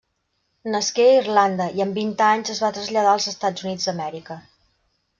Nasqué a Irlanda i amb vint anys es va traslladar als Estats Units d'Amèrica.